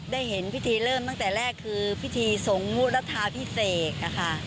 ได้เห็นพิธีเริ่มตั้งแต่แรกคือพิธีสงวุฤษฎาพิเศก